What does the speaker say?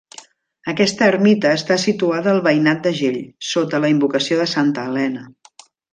Aquesta ermita està situada al veïnat d'Agell, sota la invocació de Santa Helena.